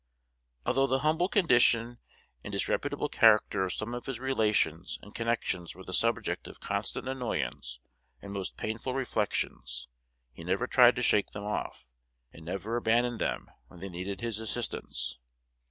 '" Although the humble condition and disreputable character of some of his relations and connections were the subject of constant annoyance and most painful reflections, he never tried to shake them off, and never abandoned them when they needed his assistance.